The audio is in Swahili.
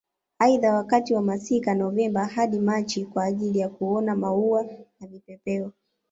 Aidha wakati wa masika Novemba hadi Machi kwa ajili ya kuona maua na vipepeo